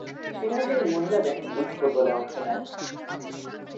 সেখানে তিনি মহিলাদের লীগ ফুটবলে অংশ নেন।